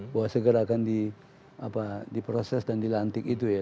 bahwa segera akan diproses dan dilantik itu ya